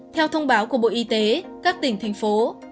theo thông báo của bộ y tế các tỉnh thành phố